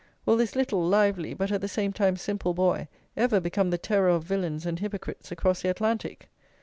Will this little, lively, but, at the same time, simple boy, ever become the terror of villains and hypocrites across the Atlantic?